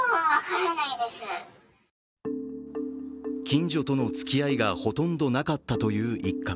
近所とのつきあいがほとんどなかったという一家。